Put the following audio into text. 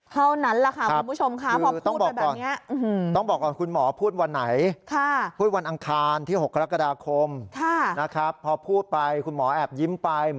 เท่านั้นล่ะค่ะคุณผู้ชมพอพูดไปแบบนี้